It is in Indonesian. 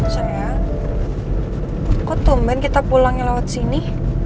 saya kok tumben kita pulangin lewat sini